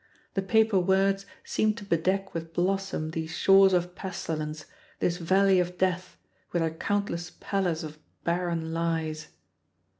The paper words seem to bedeck with blossom these shores of pestilence, this Valley of Death, with their countless pallors of barren lies.